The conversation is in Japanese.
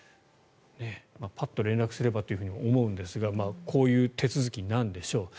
パッと連絡すればと思うんですがこういう手続きなんでしょう。